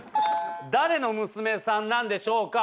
誰の娘さんなんでしょうか？